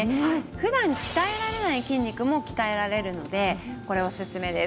普段鍛えられない筋肉も鍛えられるのでこれおすすめです。